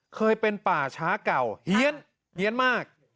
เคยเป็นป่าช้าเก่าเฮียนเฮียนมาก